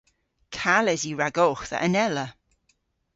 Kales yw ragowgh dhe anella.